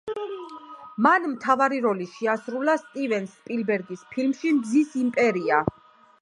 მან მთავარი როლი შეასრულა სტივენ სპილბერგის ფილმში „მზის იმპერია“.